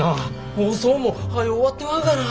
放送もはよ終わってまうがな。